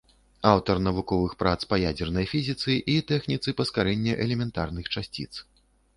Аўтар навуковых прац па ядзернай фізіцы і тэхніцы паскарэння элементарных часціц.